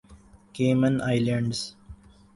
Cayman islands